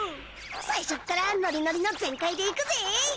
最初っからノリノリの全開でいくぜ！